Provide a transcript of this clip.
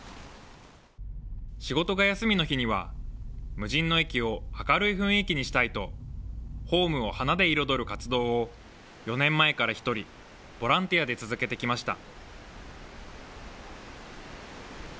仕事が休みの日には、無人の駅を明るい雰囲気にしたいと、ホームを花で彩る活動を４年前から一人、ボランティアで続けてきました。